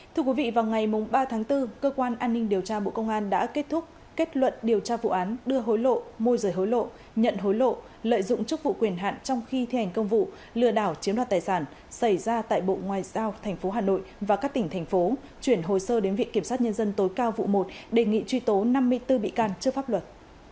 thưa quý vị vào ngày ba tháng bốn cơ quan an ninh điều tra bộ công an đã kết thúc kết luận điều tra vụ án đưa hối lộ môi rời hối lộ nhận hối lộ lợi dụng chức vụ quyền hạn trong khi thi hành công vụ lừa đảo chiếm đoạt tài sản xảy ra tại bộ ngoài giao tp hà nội và các tỉnh thành phố chuyển hồi sơ đến vị kiểm sát nhân dân tối cao vụ một đề nghị truy tố năm mươi bốn bị can trước pháp luật